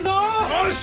よし！